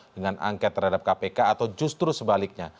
dengan angket terhadap kpk atau justru sebaliknya